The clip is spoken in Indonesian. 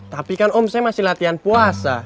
tapi kan om saya masih latihan puasa